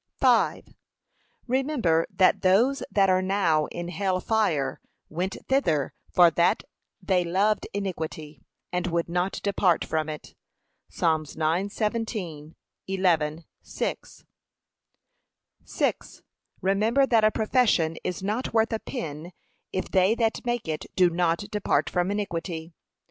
Remember that those that are now in hell fire went thither for that they loved iniquity, and would not depart from it. (Psa. 9:17; 11:6) 6. Remember that a profession is not worth a pin, if they that make it do not depart from iniquity.